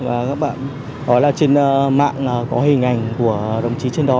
và các bạn nói là trên mạng có hình ảnh của đồng chí trên đó